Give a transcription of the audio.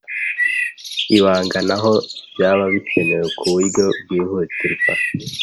ibanga n’aho byaba bikenewe ku bu- ryo bwihutirwa.